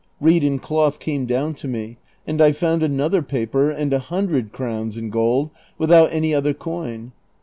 Reed and cloth came down to me, and I found another paper and a hundred crowns in gold, without any other coin.